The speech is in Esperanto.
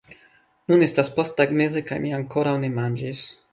Nun estas posttagmeze kaj mi ankoraŭ ne manĝis